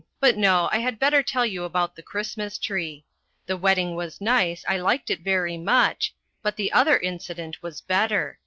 . but no, I had better tell you about the Christmas tree. The wedding was nice, I liked it very much ; but the other incident was better.